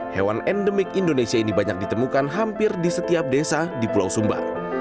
hewan endemik indonesia ini banyak ditemukan hampir di setiap desa di pulau sumba